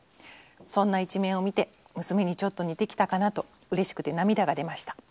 そんな一面を見て娘にちょっと似てきたかなとうれしくて涙が出ました。